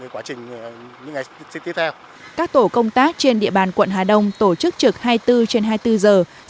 qua cơ hội các tổ công tác trên địa bàn quận hà đông tổ chức trực hai mươi bốn trên hai mươi bốn giờ